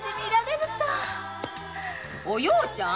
お葉ちゃん！